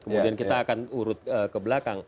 kemudian kita akan urut ke belakang